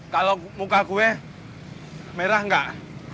kalau muka gue merah nggak